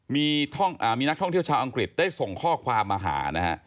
มีนักท่องเที่ยวชาวอังกฤษได้ส่งข้อความมาหานะฮะ